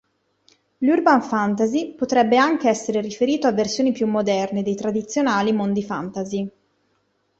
L"'Urban fantasy" potrebbe anche essere riferito a versioni più moderne dei "tradizionali" mondi fantasy.